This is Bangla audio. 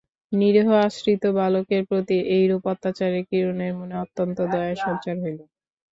নিরীহ আশ্রিত বালকের প্রতি এইরূপ অত্যাচারে কিরণের মনে অত্যন্ত দয়ার সঞ্চার হইল।